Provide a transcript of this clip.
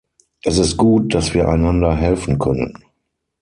Es ist gut, dass wir einander helfen können.